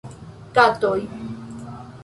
Katoj